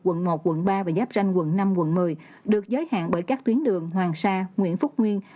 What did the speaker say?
quận một quận ba và giáp ranh quận năm quận một mươi được giới hạn bởi các tuyến đường hoàng sa nguyễn phúc nguyên